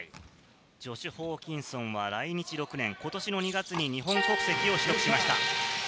ジョシュ・ホーキンソンは来日６年、ことしの２月に日本国籍を取得しました。